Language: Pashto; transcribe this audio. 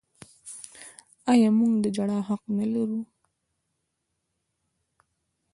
آیا موږ د ژړا حق نلرو؟